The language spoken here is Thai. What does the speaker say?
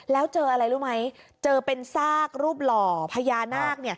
แล้วเจออะไรรู้ไหมเจอเป็นซากรูปหล่อพญานาค